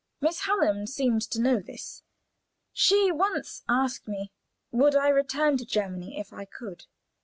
Miss Hallam seemed to know this; she once asked me: "Would I return to Germany if I could?"